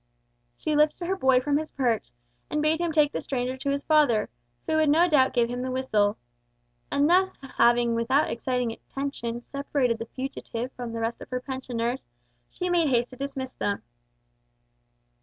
She lifted her boy from his perch, and bade him take the stranger to his father, who would no doubt give him the whistle. And thus, having without exciting attention, separated the fugitive from the rest of her pensioners, she made haste to dismiss them.